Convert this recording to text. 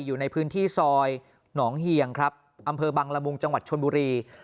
อยู่ในพื้นที่ซอยหนองเหี่ยงครับอำเภอบังละมุงจังหวัดชนบุรี